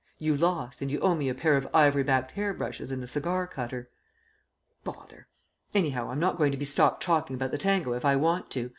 You lost, and you owe me a pair of ivory backed hair brushes and a cigar cutter." "Bother! Anyhow, I'm not going to be stopped talking about the tango if I want to.